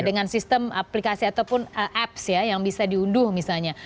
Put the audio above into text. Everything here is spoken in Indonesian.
dengan sistem aplikasi ataupun apps ya yang bisa diunduh misalnya